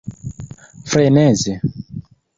freneze